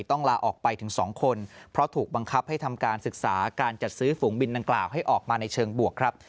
ลาออกไปถึง๒คนเพราะถูกบังคับให้ทำการศึกษาการจัดซื้อฝูงบินดังกล่าวให้ออกมาในเชิงบวกครับ